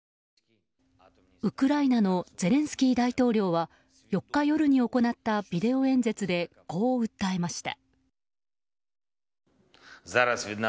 ウクライナのゼレンスキー大統領は４日夜に行ったビデオ演説でこう訴えました。